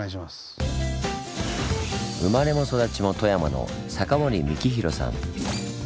生まれも育ちも富山の坂森幹浩さん。